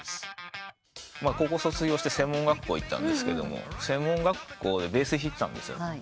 高校卒業して専門学校行ったんですけど専門学校でベース弾いてたんですよ。